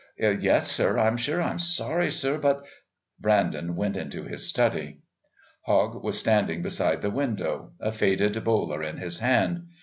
"Yes, sir. I'm sure I'm sorry, sir, but " Brandon went into his study. Hogg was standing beside the window, a faded bowler in his hand.